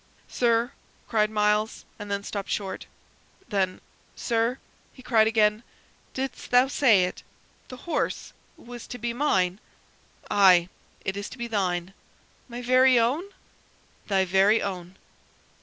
"Sir," cried Myles, and then stopped short. Then, "Sir," he cried again, "didst thou say it the horse was to be mine?" "Aye, it is to be thine." "My very own?" "Thy very own."